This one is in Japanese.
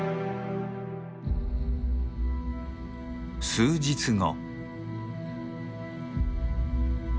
数日後。